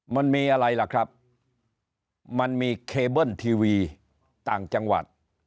มันมีอะไรล่ะครับมันมีเคเบิ้ลทีวีต่างจังหวัด